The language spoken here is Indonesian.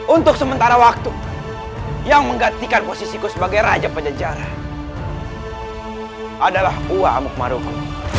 untuk sementara waktu yang menggantikan posisiku sebagai raja pajajara adalah uwa amukmaruku